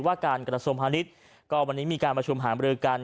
ว่าการกะดสมฮณิทธ์ก็วันนี้มีการประชุมหามารืกัน